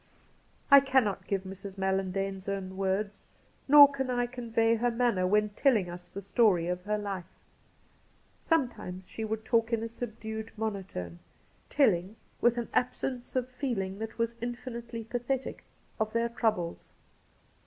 I cannot give Mrs. MaUandane's own words, nor can I convey her manner when telling us the story of her life. Sometimes she would talk in a subdued monotone, teUing, with an absence of Cassidy 1 6 1 feeling that was infinitely pathetic, of their troubles.